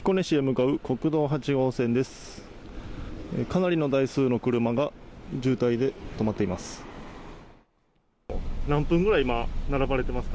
かなりの台数の車が渋滞で止まっています。